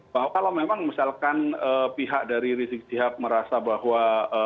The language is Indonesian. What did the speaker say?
bahwa kalau memang misalkan pihak dari rizik sihab merasa bahwa